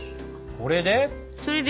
これで？